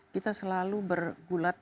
kita selalu bergulat